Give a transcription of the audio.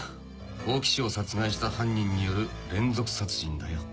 大木を殺害した犯人による連続殺人だよ。